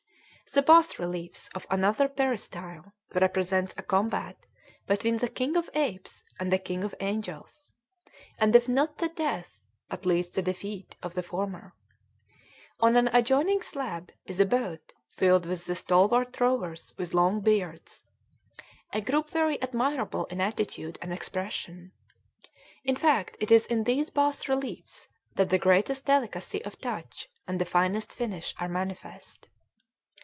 The bass reliefs of another peristyle represent a combat between the king of apes and the king of angels, and if not the death, at least the defeat, of the former. On an adjoining slab is a boat filled with stalwart rowers with long beards, a group very admirable in attitude and expression. In fact, it is in these bass reliefs that the greatest delicacy of touch and the finest finish are manifest.